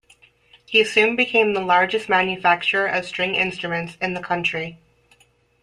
He soon became the largest manufacturer of string instruments in the country.